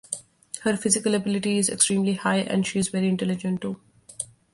Her physical ability is extremely high and she is very intelligent too.